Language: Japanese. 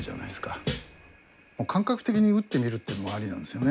感覚的に打ってみるってのもありなんですよね。